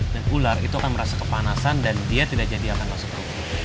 dan ular itu akan merasa kepanasan dan dia tidak jadi akan masuk rumah